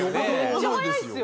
めっちゃ早いですよ。